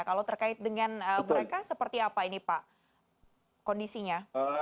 kalau terkait dengan mereka seperti apa ini pak kondisinya